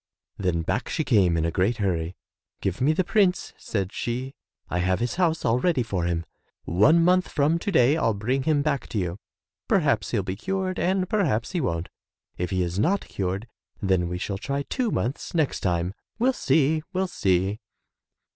Then back she came in a great hurry. "Give me the prince," said she; "I have his house all ready for him. One month from to day I'll bring him back to you. Perhaps he'll be cured and perhaps he won't. If he is not cured then we shall try two months next time. We'll see, we'll see."